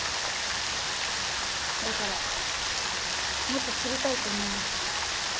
だからもっと知りたいって思いました。